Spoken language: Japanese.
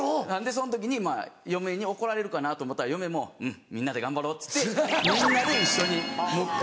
その時に嫁に怒られるかなと思ったら嫁も「うんみんなで頑張ろう」っつってみんなで一緒にもう１回。